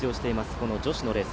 その女子のレース。